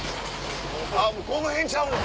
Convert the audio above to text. あっこの辺ちゃうの？